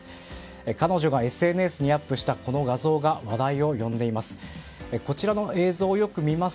彼女がＳＮＳにアップしたこの画像が話題を呼んでいます。